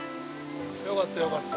よかったよかった。